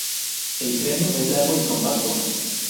El cráneo es largo y compacto.